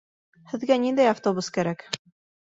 Һеҙгә ниндәй автобус кәрәк?